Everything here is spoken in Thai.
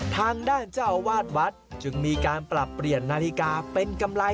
ทางด้านเจ้าอาวาสวัดจึงมีการปรับเปลี่ยนนาฬิกาเป็นกำไร